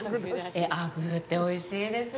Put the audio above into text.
アグーって、おいしいですね。